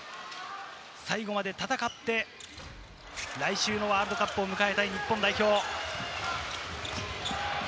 最後まで戦って、来週のワールドカップを迎えたい日本代表。